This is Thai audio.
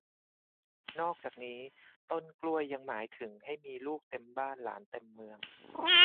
นอกจากนี้ ต้นกล้วยยังหมายถึงให้มีลูกเต็มบ้านหลานเต็มเมือง